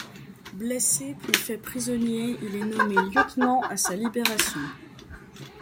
Blessé puis fait prisonnier, il est nommé lieutenant à sa libération.